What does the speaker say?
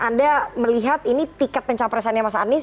anda melihat ini tiket pencapresannya mas anies